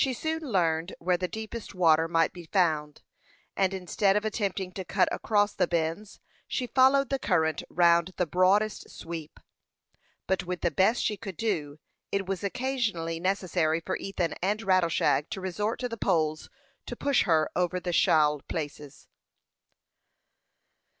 She soon learned where the deepest water might be found, and instead of attempting to cut across the bends, she followed the current round the broadest sweep; but, with the best she could do, it was occasionally necessary for Ethan and Rattleshag to resort to the poles to push her over the shoal places.